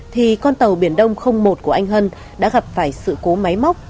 thì con tàu biển đông một của anh hân đã gặp phải sự cố máy móc